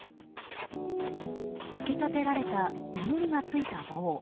突き立てられた目盛りがついた棒。